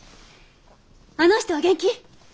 あの人は元気？